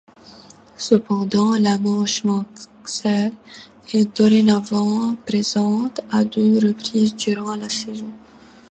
Cependant, la manche mancelle est dorénavant présente à deux reprises durant la saison.